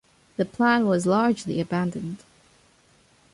The plan was largely abandoned.